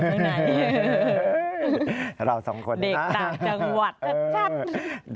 ไหนเราสองคนเด็กต่างจังหวัดชัด